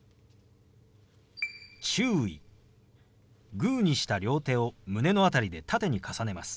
グーにした両手を胸の辺りで縦に重ねます。